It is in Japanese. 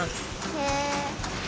へえ。